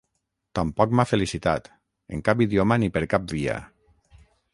Tampoc m'ha felicitat, en cap idioma ni per cap via.